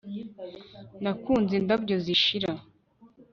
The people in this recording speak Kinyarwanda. nakunze indabyo zishira